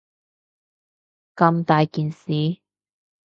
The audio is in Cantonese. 咁大件事